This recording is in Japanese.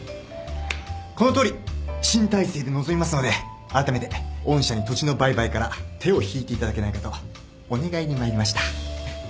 このとおり新体制で臨みますのであらためて御社に土地の売買から手を引いていただけないかとお願いに参りました。